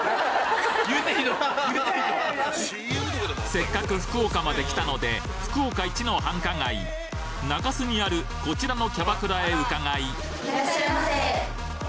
せっかく福岡まで来たので福岡一の繁華街中洲にあるこちらのキャバクラへ伺いいらっしゃいませ！